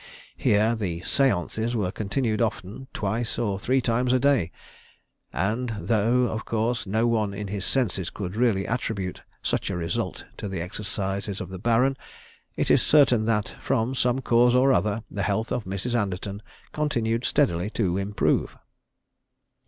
Here the séances were continued often twice or three times a day, and though, of course, no one in his senses could really attribute such a result to the exercises of the Baron, it is certain that, from some cause or other, the health of Mrs. Anderton continued steadily to improve.